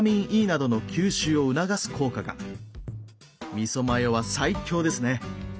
みそマヨは最強ですね。